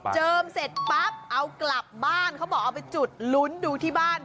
เสร็จปั๊บเอากลับบ้านเขาบอกเอาไปจุดลุ้นดูที่บ้าน